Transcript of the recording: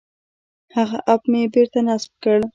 هغه اپ مې بېرته نصب کړ.